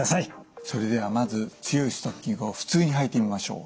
それではまず強いストッキングを普通に履いてみましょう。